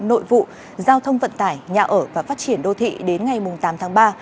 nội vụ giao thông vận tải nhà ở và phát triển đô thị đến ngày tám tháng ba